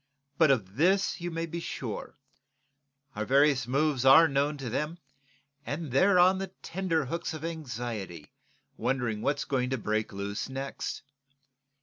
But of this you may be sure; our various moves are known to them, and they're on the tenterhooks of anxiety wondering what's going to break loose next.